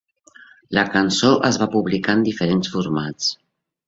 La cançó es va publicar en diferents formats.